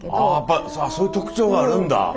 あやっぱそういう特徴があるんだ。